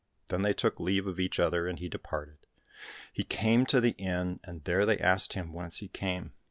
" Then they took leave of each other, and he departed. He came to the inn, and there they asked him whence he came.